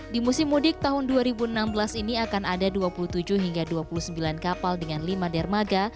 di musim mudik tahun dua ribu enam belas ini akan ada dua puluh tujuh hingga dua puluh sembilan kapal dengan lima dermaga